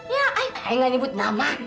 ya udah ay gak nyebut nama